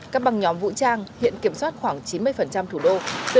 các băng nhóm vũ trang hiện kiểm soát khoảng chín mươi thủ đô